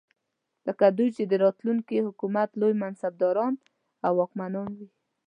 لکه دوی چې د راتلونکي حکومت لوی منصبداران او واکمنان وي.